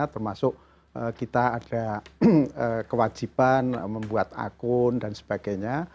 termasuk kita ada kewajiban membuat akun dan sebagainya